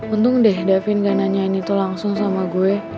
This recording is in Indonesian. untung deh davin gak nanyain itu langsung sama gue